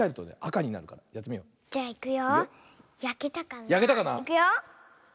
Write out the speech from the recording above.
いくよ。